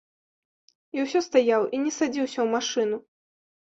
І ўсё стаяў і не садзіўся ў машыну.